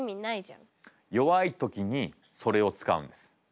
弱い時にそれを使うんです。